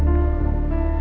tidak ada yang bisa dihukum